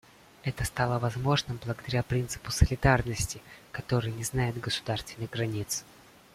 Это стало возможным благодаря принципу солидарности, который не знает государственных границ.